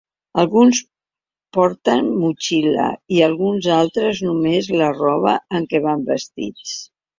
Alguns porten motxilla i alguns altres només la roba amb què van vestits.